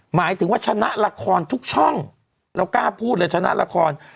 หมายถึงว่าชนะละครทุกช่องเรากล้าพูดเลยชนะละคร